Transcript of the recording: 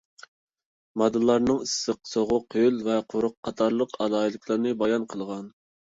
ماددىلارنىڭ ئىسسىق، سوغۇق، ھۆل ۋە قۇرۇق قاتارلىق ئالاھىدىلىكلىرىنى بايان قىلغان.